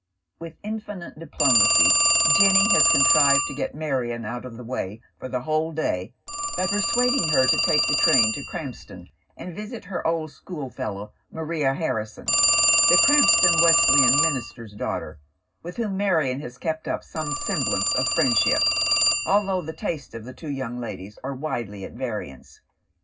With infinite diplomacy Jenny has contrived to get Marion out of the way for the whole day by persuading her to take the train to Krampston and visit her old schoolfellow, Maria Hanison, the Krampston Wesleyan minister's daughter, with whom Marion has kept up some semblance of friendship, although the tastes of the two young ladies are widely at variance.